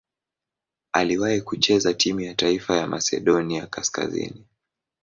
Aliwahi kucheza timu ya taifa ya Masedonia Kaskazini.